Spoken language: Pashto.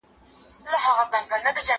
هغه وويل چي کار مهم دی؟